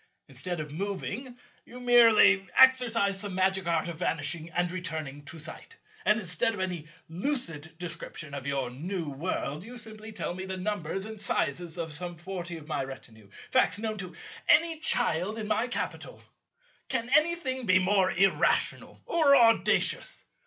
Instead of moving, you merely exercise some magic art of vanishing and returning to sight; and instead of any lucid description of your new World, you simply tell me the numbers and sizes of some forty of my retinue, facts known to any child in my capital. Can anything be more irrational or audacious?